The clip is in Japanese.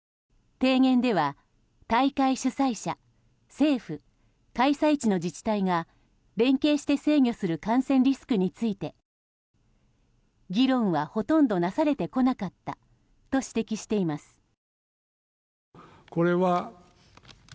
提言では大会主催者、政府開催地の自治体が連携して制御する感染リスクについて議論は、ほとんどなされてこなかったと指摘しています。